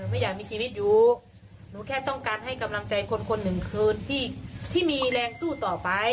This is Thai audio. ไม่อยากมีชีวิตอยู่หนูแค่ต้องการให้กำลังใจคนคนหนึ่งคืนที่มีแรงสู้ต่อไป